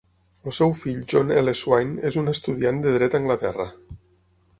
El seu fill John L. Swaine és un estudiant de dret a Anglaterra.